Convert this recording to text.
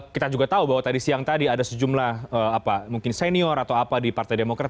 kita juga tahu bahwa tadi siang tadi ada sejumlah senior di partai demokrat